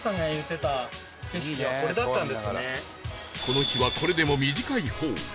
この日はこれでも短い方